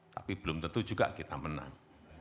tapi belum tentu juga kita menang